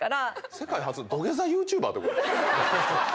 世界初土下座ＹｏｕＴｕｂｅｒってこと？